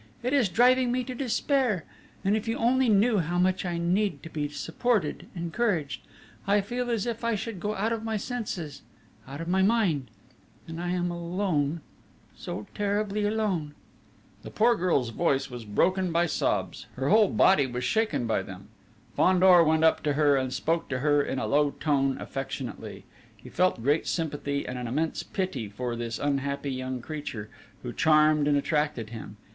It is driving me to despair! And if you only knew how much I need to be supported, encouraged; I feel as if I should go out of my senses out of my mind ... and I am alone, so terribly alone!" The poor girl's voice was broken by sobs, her whole body was shaken by them. Fandor went up to her, and spoke to her in a low tone affectionately: he felt great sympathy and an immense pity for this unhappy young creature, who charmed and attracted him.